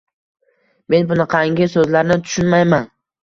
Men bunaqangi so`zlarni tushunmayman